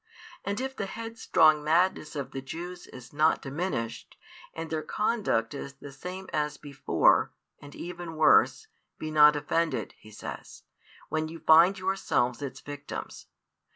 And if the headstrong madness of the Jews is not diminished, and their conduct is the same as before, and even worse, be not offended, He says, when you find yourselves its victims.